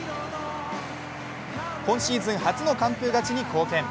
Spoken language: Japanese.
今シーズン初の完封勝ちの貢献。